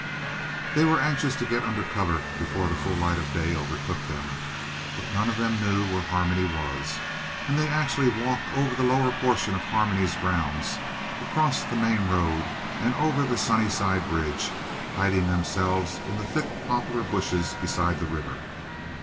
They were anxious to get under cover before the full light of day overtook them, but none of them knew where Harmony was, and they actually walked over the lower portion of Harmony's grounds, across the main road and over the Sunnyside bridge, hiding themselves in the thick poplar bushes beside the river.